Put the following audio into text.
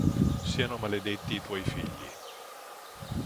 Siano maledetti i tuoi figli!